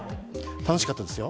楽しかったですよ。